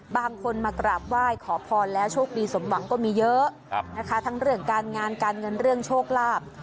บางคนมากราบไหว้ขอพรแล้วโชคดีสมหวังก็มีเยอะนะคะทั้งเรื่องการงานการเงินเรื่องโชคลาภ